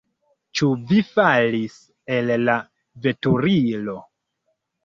Ĉu vi falis el la veturilo?